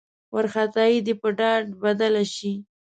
وارخطايي دې په ډاډ بدله شي.